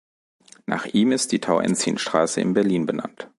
Nach ihm ist die Tauentzienstraße in Berlin benannt.